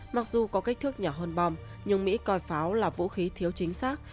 mặc dù có kích thước nhỏ hơn bom nhưng mỹ coi pháo là vũ khí thiếu chính xác